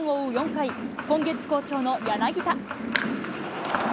４回、今月好調の柳田。